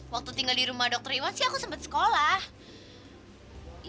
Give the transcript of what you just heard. waktu tinggal di rumah dr iwan sih aku sempat sekolah